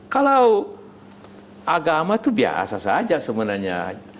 kalau agama itu biasa saja sebenarnya